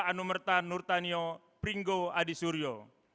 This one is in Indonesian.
anumerta nur tanio pringgo adi suryo